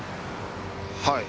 はい。